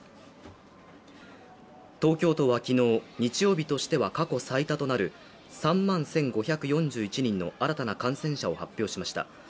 東京都は昨日、日曜日としては過去最多となる３万１５４１人の新たな感染者を発表しました。